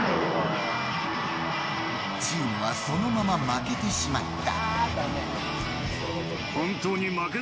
チームはそのまま負けてしまった。